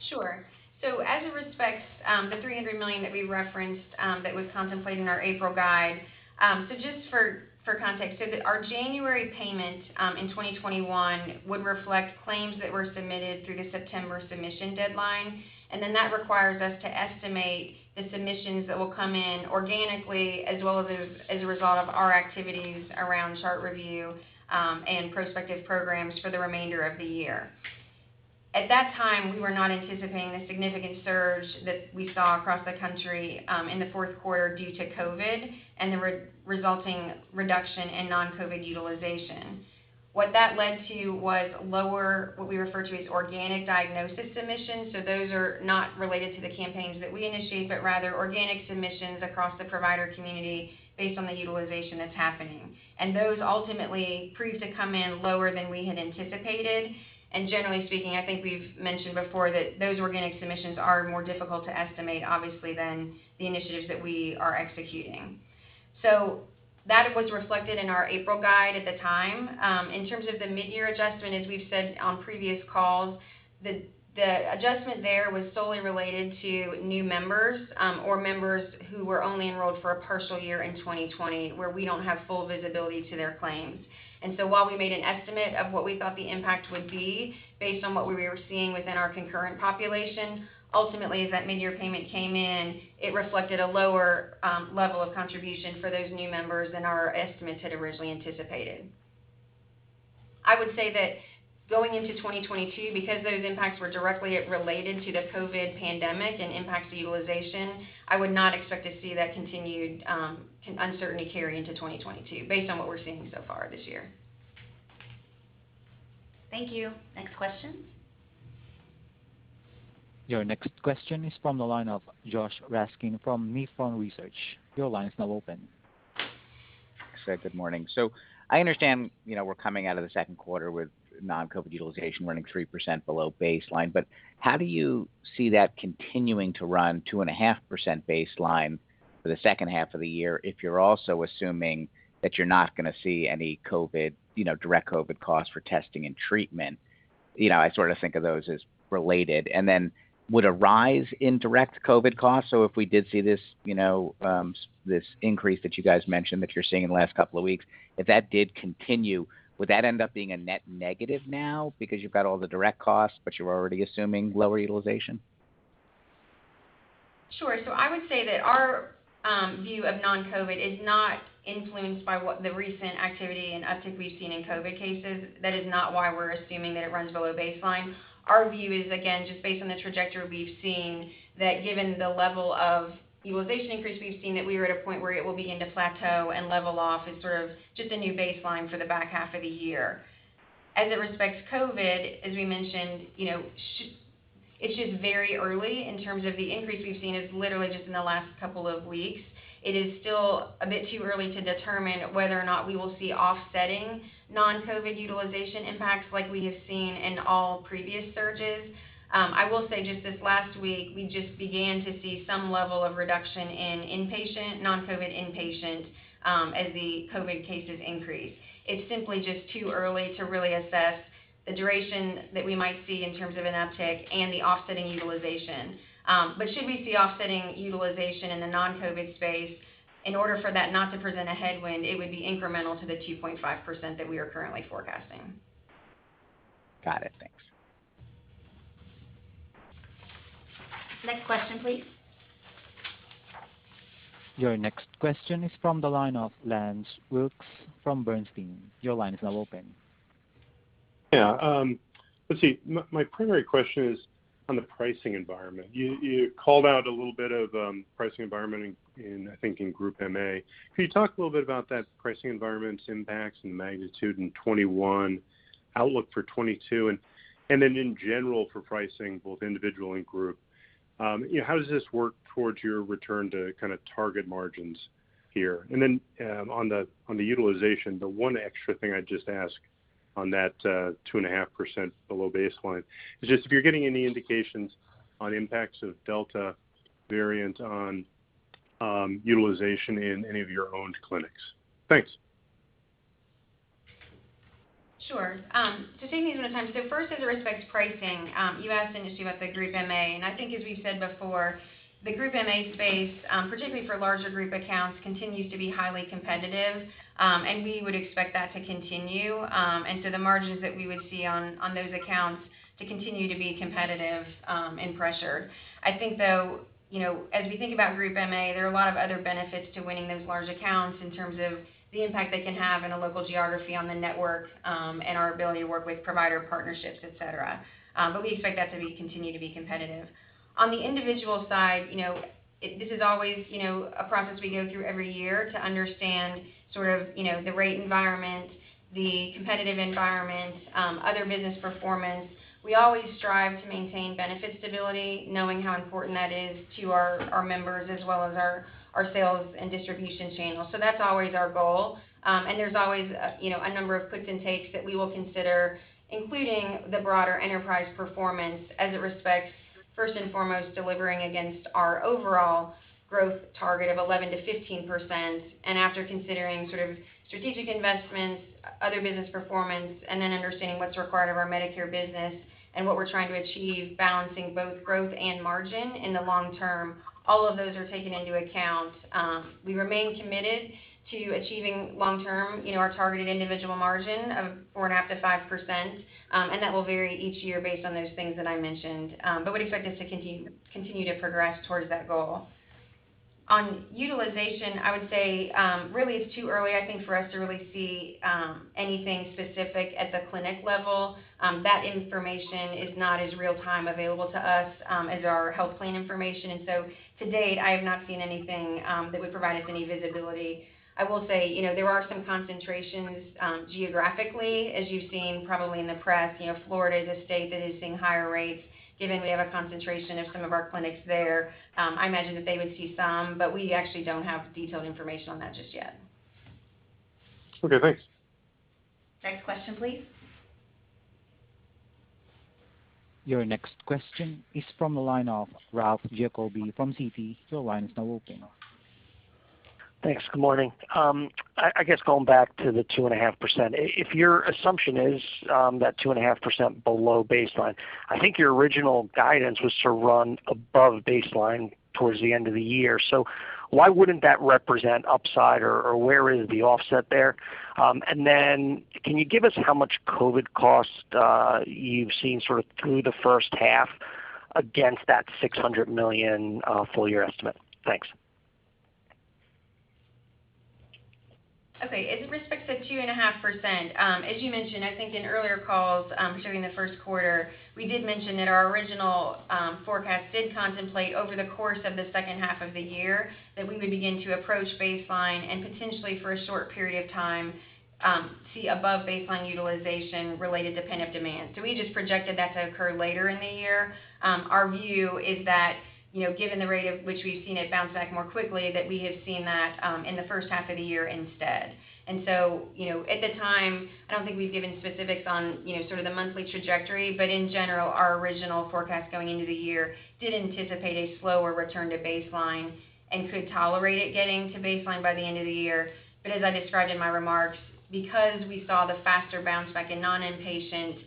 Speaker 4: Sure. As it respects the $300 million that we referenced, that was contemplated in our April guide. Just for context, our January payment in 2021 would reflect claims that were submitted through the September submission deadline, and then that requires us to estimate the submissions that will come in organically, as well as a result of our activities around chart review, and prospective programs for the remainder of the year. At that time, we were not anticipating the significant surge that we saw across the country in the fourth quarter due to COVID-19, and the resulting reduction in non-COVID-19 utilization. What that led to was lower, what we refer to as organic diagnosis submissions, those are not related to the campaigns that we initiate, but rather organic submissions across the provider community based on the utilization that's happening. Those ultimately proved to come in lower than we had anticipated. Generally speaking, I think we've mentioned before that those organic submissions are more difficult to estimate, obviously, than the initiatives that we are executing. That is what's reflected in our April guide at the time. In terms of the mid-year adjustment, as we've said on previous calls, the adjustment there was solely related to new members, or members who were only enrolled for a partial year in 2020, where we don't have full visibility to their claims. While we made an estimate of what we thought the impact would be based on what we were seeing within our concurrent population, ultimately, as that mid-year payment came in, it reflected a lower level of contribution for those new members than our estimates had originally anticipated. I would say that going into 2022, because those impacts were directly related to the COVID pandemic and impacts to utilization, I would not expect to see that continued uncertainty carry into 2022 based on what we're seeing so far this year. Thank you. Next question.
Speaker 1: Your next question is from the line of Joshua Raskin from Nephron Research. Your line is now open.
Speaker 11: Sir, good morning. I understand we're coming out of the second quarter with non-COVID utilization running 3% below baseline, but how do you see that continuing to run 2.5% baseline for the second half of the year if you're also assuming that you're not going to see any direct COVID costs for testing and treatment? I sort of think of those as related. Would a rise in direct COVID costs, so if we did see this increase that you guys mentioned that you're seeing in the last couple of weeks, if that did continue, would that end up being a net negative now because you've got all the direct costs, but you're already assuming lower utilization?
Speaker 4: Sure. I would say that our view of non-COVID is not influenced by what the recent activity and uptick we've seen in COVID cases. That is not why we're assuming that it runs below baseline. Our view is, again, just based on the trajectory we've seen, that given the level of utilization increase we've seen, that we are at a point where it will begin to plateau and level off as sort of just a new baseline for the back half of the year. As it respects COVID, as we mentioned, it's just very early in terms of the increase we've seen is literally just in the last couple of weeks. It is still a bit too early to determine whether or not we will see offsetting non-COVID utilization impacts like we have seen in all previous surges. I will say just this last week, we just began to see some level of reduction in non-COVID inpatient, as the COVID cases increase. It's simply just too early to really assess the duration that we might see in terms of an uptick and the offsetting utilization. Should we see offsetting utilization in the non-COVID space, in order for that not to present a headwind, it would be incremental to the 2.5% that we are currently forecasting.
Speaker 11: Got it. Thanks.
Speaker 4: Next question, please.
Speaker 1: Your next question is from the line of Lance Wilkes from Bernstein. Your line is now open.
Speaker 12: Yeah. Let's see. My primary question is on the pricing environment. You called out a little bit of pricing environment, I think, in Group MA. Can you talk a little bit about that pricing environment impacts and magnitude in 2021, outlook for 2022, and then in general for pricing, both individual and group? How does this work towards your return to target margins here? On the utilization, the one extra thing I'd just ask on that 2.5% below baseline is just if you're getting any indications on impacts of Delta variant on utilization in any of your owned clinics. Thanks.
Speaker 4: Sure. To take these one at a time. First, as it respects pricing, you asked initially about the Group MA, I think as we've said before, the Group MA space, particularly for larger group accounts, continues to be highly competitive. We would expect that to continue. The margins that we would see on those accounts to continue to be competitive and pressured. I think, though, as we think about Group MA, there are a lot of other benefits to winning those large accounts in terms of the impact they can have in a local geography on the network, and our ability to work with provider partnerships, et cetera. We expect that to continue to be competitive. On the individual side, this is always a process we go through every year to understand the rate environment, the competitive environment, other business performance. We always strive to maintain benefit stability, knowing how important that is to our members as well as our sales and distribution channels. That's always our goal. There's always a number of puts and takes that we will consider, including the broader enterprise performance as it respects, first and foremost, delivering against our overall growth target of 11%-15%, and after considering strategic investments, other business performance, and then understanding what's required of our Medicare business and what we're trying to achieve, balancing both growth and margin in the long term. All of those are taken into account. We remain committed to achieving long-term, our targeted individual margin of 4.5%-5%, That will vary each year based on those things that I mentioned. We expect this to continue to progress towards that goal. On utilization, I would say, really it's too early, I think, for us to really see anything specific at the clinic level. That information is not as real-time available to us as our health plan information. To date, I have not seen anything that would provide us any visibility. I will say, there are some concentrations geographically, as you've seen probably in the press. Florida is a state that is seeing higher rates, given we have a concentration of some of our clinics there. I imagine that they would see some, but we actually don't have detailed information on that just yet.
Speaker 12: Okay, thanks.
Speaker 4: Next question, please.
Speaker 1: Your next question is from the line of Ralph Giacobbe from Citi. Your line is now open.
Speaker 13: Thanks. Good morning. I guess going back to the 2.5%, if your assumption is that 2.5% below baseline, I think your original guidance was to run above baseline towards the end of the year. Why wouldn't that represent upside, or where is the offset there? Can you give us how much COVID cost you've seen through the first half against that $600 million full year estimate? Thanks.
Speaker 4: Okay. In respect to the 2.5%, as you mentioned, I think in earlier calls during the first quarter, we did mention that our original forecast did contemplate over the course of the second half of the year that we would begin to approach baseline and potentially for a short period of time, see above baseline utilization related to pent-up demand. We just projected that to occur later in the year. At the time, I don't think we've given specifics on the monthly trajectory, but in general, our original forecast going into the year did anticipate a slower return to baseline and could tolerate it getting to baseline by the end of the year. As I described in my remarks, because we saw the faster bounce back in non-inpatient,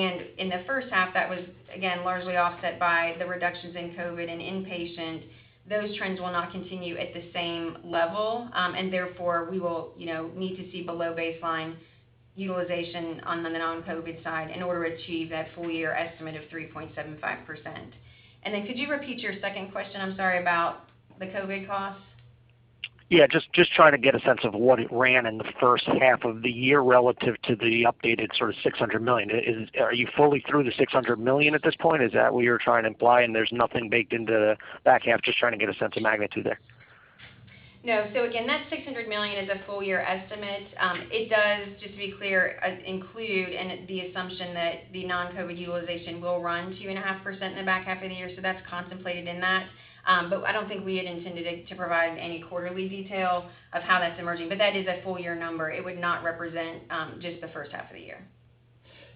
Speaker 4: and in the first half, that was, again, largely offset by the reductions in COVID and inpatient, those trends will not continue at the same level. Therefore, we will need to see below baseline utilization on the non-COVID side in order to achieve that full year estimate of 3.75%. Could you repeat your second question, I'm sorry, about the COVID costs?
Speaker 13: Yeah, just trying to get a sense of what it ran in the first half of the year relative to the updated $600 million. Are you fully through the $600 million at this point? Is that what you're trying to imply, and there's nothing baked into the back half? Just trying to get a sense of magnitude there.
Speaker 4: No. Again, that $600 million is a full year estimate. It does, just to be clear, include in it the assumption that the non-COVID utilization will run 2.5% in the back half of the year, so that's contemplated in that. I don't think we had intended it to provide any quarterly detail of how that's emerging. That is a full year number. It would not represent just the first half of the year.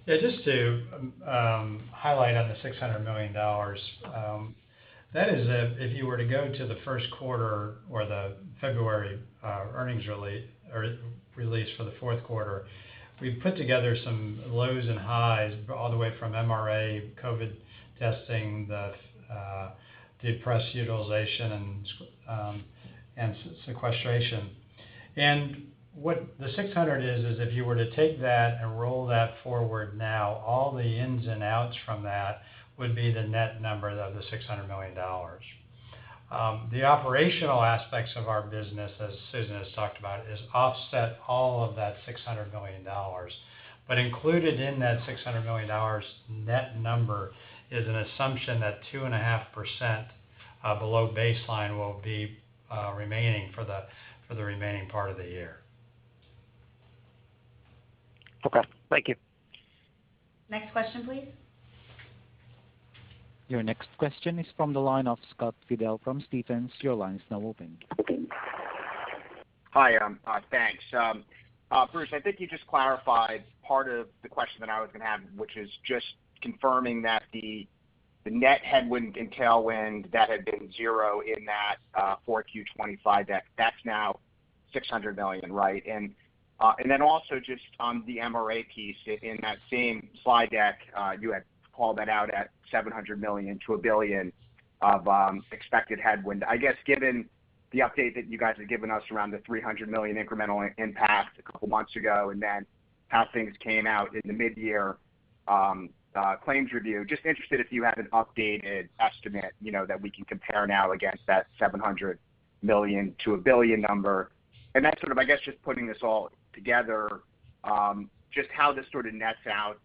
Speaker 3: Yeah, just to highlight on the $600 million. That is if you were to go to the first quarter or the February earnings release for the fourth quarter. We've put together some lows and highs all the way from MRA, COVID testing, the depressed utilization, and sequestration. What the $600 is if you were to take that and roll that forward now, all the ins and outs from that would be the net number of the $600 million. The operational aspects of our business, as Susan has talked about, has offset all of that $600 million. Included in that $600 million net number is an assumption that 2.5% below baseline will be remaining for the remaining part of the year.
Speaker 13: Okay. Thank you.
Speaker 4: Next question, please.
Speaker 1: Your next question is from the line of Scott Fidel from Stephens. Your line is now open.
Speaker 14: Hi. Thanks. Bruce, I think you just clarified part of the question that I was going to have, which is just confirming that the net headwind and tailwind that had been 0 in that 4Q '20 deck, that's now $600 million, right? Also just on the MRA piece, in that same slide deck, you had called that out at $700 million-$1 billion of expected headwind. Given the update that you guys had given us around the $300 million incremental impact a couple of months ago, and then how things came out in the mid-year claims review, just interested if you have an updated estimate that we can compare now against that $700 million-$1 billion number. Sort of, I guess, just putting this all together, just how this sort of nets out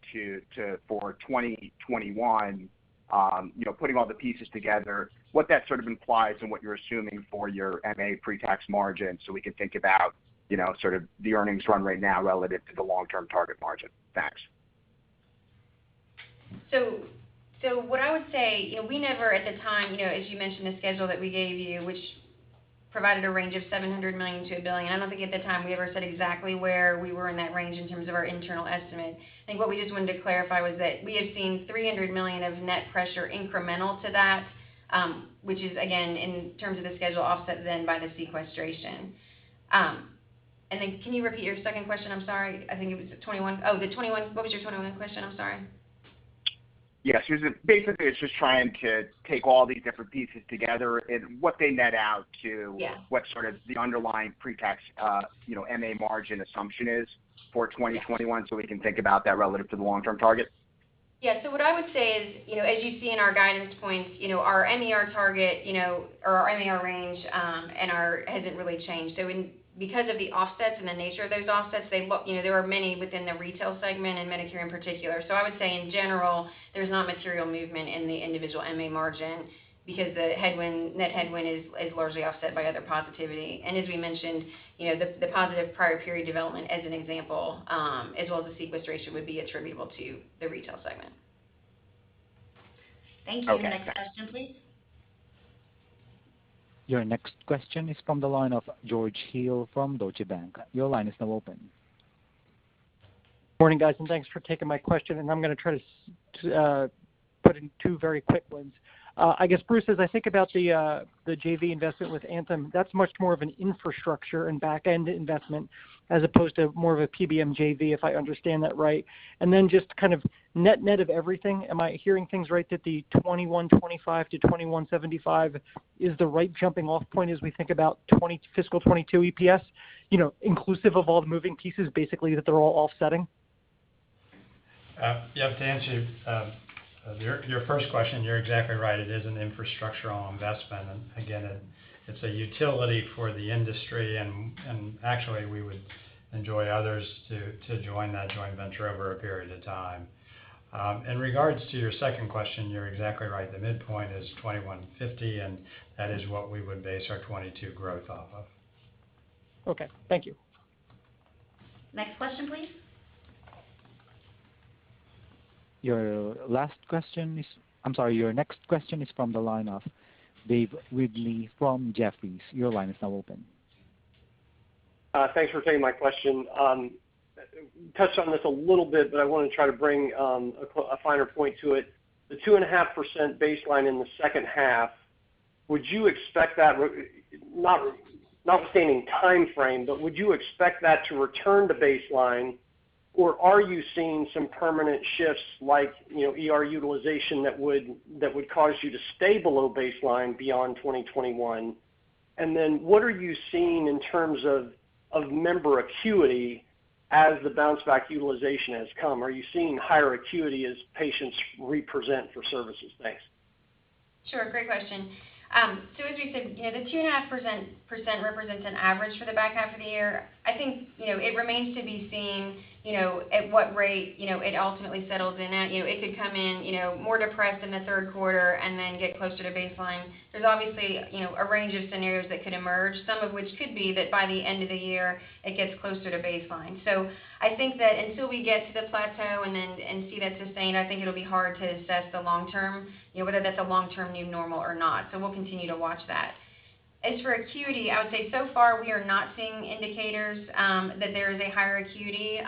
Speaker 14: for 2021, putting all the pieces together, what that sort of implies and what you're assuming for your MA pre-tax margin so we can think about sort of the earnings run right now relative to the long-term target margin. Thanks.
Speaker 4: What I would say, as you mentioned, the schedule that we gave you, which provided a range of $700 million to $1 billion. I don't think at the time we ever said exactly where we were in that range in terms of our internal estimate. I think what we just wanted to clarify was that we have seen $300 million of net pressure incremental to that, which is, again, in terms of the schedule offset then by the sequestration. Can you repeat your second question? I'm sorry. I think it was the 2021. Oh, the 2021. What was your 2021 question? I'm sorry.
Speaker 14: Yes. Basically, it's just trying to take all these different pieces together and what they net out to.
Speaker 4: Yeah
Speaker 14: What sort of the underlying pre-tax MA margin assumption is for 2021, so we can think about that relative to the long-term target.
Speaker 4: What I would say is, as you see in our guidance points, our MER target, or our MER range, hasn't really changed. Because of the offsets and the nature of those offsets, there were many within the retail segment and Medicare in particular. I would say in general, there's not material movement in the individual MA margin because the net headwind is largely offset by other positivity. As we mentioned, the positive prior period development, as an example, as well as the sequestration, would be attributable to the retail segment.
Speaker 14: Okay. Got it.
Speaker 4: Thank you. Next question, please.
Speaker 1: Your next question is from the line of George Hill from Deutsche Bank. Your line is now open.
Speaker 15: Morning, guys, thanks for taking my question. I'm going to try to put in two very quick ones. I guess, Bruce, as I think about the JV investment with Anthem, that's much more of an infrastructure and back-end investment as opposed to more of a PBM JV, if I understand that right. Just kind of net of everything, am I hearing things right that the $2,125-$2,175 is the right jumping-off point as we think about fiscal 2022 EPS, inclusive of all the moving pieces, basically, that they're all offsetting?
Speaker 3: \Yeah, to answer your first question, you're exactly right. It is an infrastructural investment, and again, it's a utility for the industry, and actually, we would enjoy others to join that joint venture over a period of time. In regards to your second question, you're exactly right. The midpoint is $2,150, and that is what we would base our 2022 growth off of. Okay. Thank you.
Speaker 4: Next question, please.
Speaker 1: Your next question is from the line of David Windley from Jefferies. Your line is now open.
Speaker 16: Thanks for taking my question. Touched on this a little bit, I want to try to bring a finer point to it. The 2.5% baseline in the second half, not stating timeframe, but would you expect that to return to baseline, or are you seeing some permanent shifts like ER utilization that would cause you to stay below baseline beyond 2021? What are you seeing in terms of member acuity as the bounce back utilization has come? Are you seeing higher acuity as patients represent for services? Thanks.
Speaker 4: Sure. Great question. As we said, the 2.5% represents an average for the back half of the year. I think it remains to be seen at what rate it ultimately settles in at. It could come in more depressed in the third quarter and then get closer to baseline. There's obviously a range of scenarios that could emerge, some of which could be that by the end of the year, it gets closer to baseline. I think that until we get to the plateau and see that sustain, I think it'll be hard to assess the long term, whether that's a long-term new normal or not. We'll continue to watch that. As for acuity, I would say so far, we are not seeing indicators that there is a higher acuity,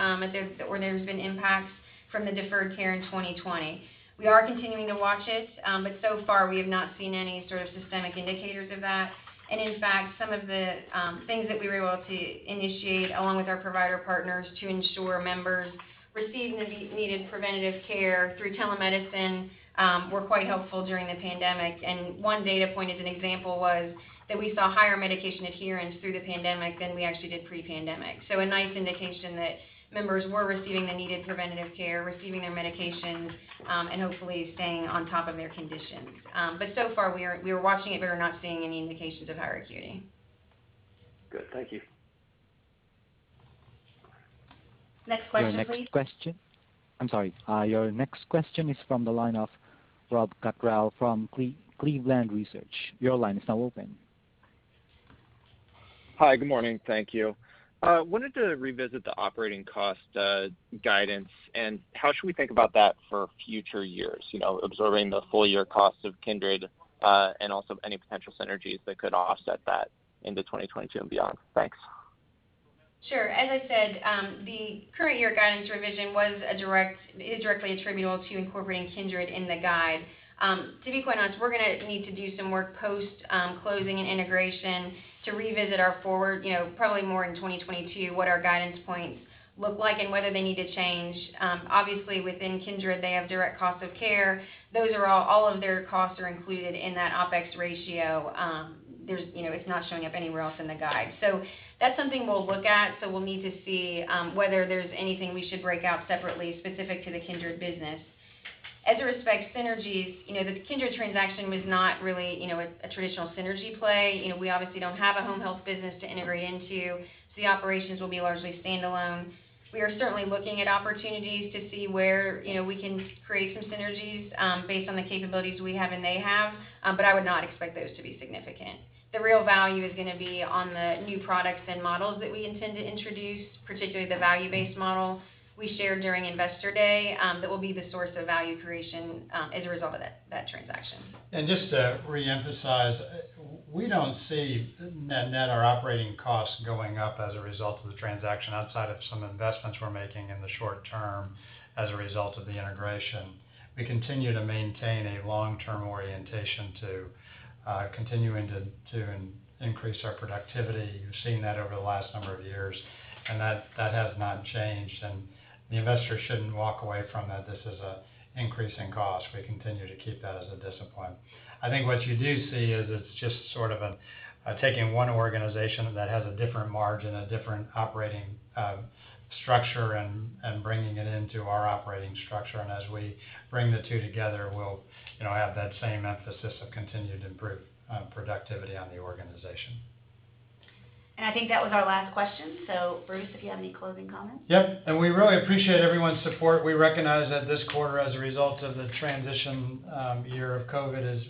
Speaker 4: or there's been impacts from the deferred care in 2020. We are continuing to watch it, so far we have not seen any sort of systemic indicators of that. In fact, some of the things that we were able to initiate, along with our provider partners, to ensure members receiving the needed preventative care through telemedicine, were quite helpful during the pandemic. One data point as an example was that we saw higher medication adherence through the pandemic than we actually did pre-pandemic. A nice indication that members were receiving the needed preventative care, receiving their medications, and hopefully staying on top of their conditions. So far, we are watching it, but we're not seeing any indications of higher acuity.
Speaker 16: Good. Thank you.
Speaker 4: Next question, please.
Speaker 1: I'm sorry. Your next question is from the line of Rob Cottrell from Cleveland Research. Your line is now open.
Speaker 17: Hi. Good morning. Thank you. Wanted to revisit the operating cost guidance, and how should we think about that for future years, observing the full-year cost of Kindred, and also any potential synergies that could offset that into 2022 and beyond. Thanks.
Speaker 4: Sure. As I said, the current year guidance revision is directly attributable to incorporating Kindred in the guide. To be quite honest, we're going to need to do some work post-closing and integration to revisit our forward, probably more in 2022, what our guidance points look like and whether they need to change. Obviously, within Kindred, they have direct cost of care. All of their costs are included in that OPEX ratio. It's not showing up anywhere else in the guide. That's something we'll look at. We'll need to see whether there's anything we should break out separately specific to the Kindred business. As it respects synergies, the Kindred transaction was not really a traditional synergy play. We obviously don't have a home health business to integrate into, so the operations will be largely standalone. We are certainly looking at opportunities to see where we can create some synergies based on the capabilities we have and they have, but I would not expect those to be significant. The real value is going to be on the new products and models that we intend to introduce, particularly the value-based model we shared during Investor Day. That will be the source of value creation as a result of that transaction.
Speaker 3: Just to reemphasize, we don't see net our operating costs going up as a result of the transaction outside of some investments we're making in the short term as a result of the integration. We continue to maintain a long-term orientation to continuing to increase our productivity. You've seen that over the last number of years, and that has not changed. The investors shouldn't walk away from that this is an increase in cost. We continue to keep that as a discipline. I think what you do see is it's just sort of taking one organization that has a different margin, a different operating structure, and bringing it into our operating structure. As we bring the two together, we'll have that same emphasis of continued improved productivity on the organization.
Speaker 4: I think that was our last question. Bruce, if you have any closing comments?
Speaker 3: Yep. We really appreciate everyone's support. We recognize that this quarter, as a result of the transition year of COVID, is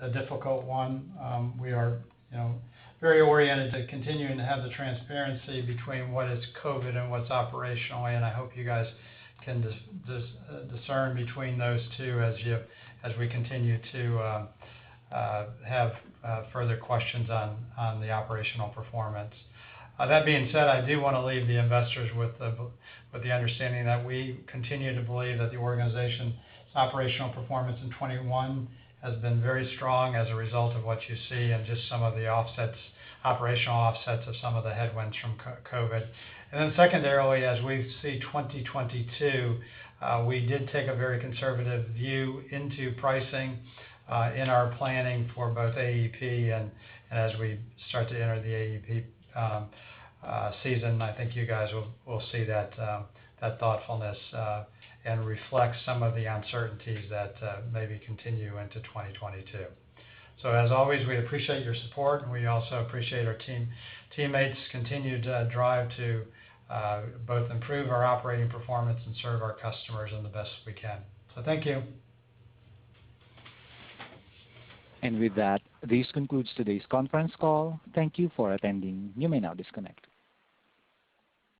Speaker 3: a difficult one. We are very oriented to continuing to have the transparency between what is COVID and what's operational, and I hope you guys can discern between those two as we continue to have further questions on the operational performance. That being said, I do want to leave the investors with the understanding that we continue to believe that the organization's operational performance in 2021 has been very strong as a result of what you see and just some of the operational offsets of some of the headwinds from COVID. Secondarily, as we see 2022, we did take a very conservative view into pricing in our planning for both AEP, and as we start to enter the AEP season, I think you guys will see that thoughtfulness and reflect some of the uncertainties that maybe continue into 2022. As always, we appreciate your support, and we also appreciate our teammates' continued drive to both improve our operating performance and serve our customers in the best we can. Thank you.
Speaker 1: And with that, this concludes today's conference call. Thank you for attending. You may now disconnect.